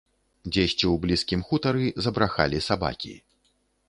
Дзесьці ў блізкім хутары забрахалі сабакі.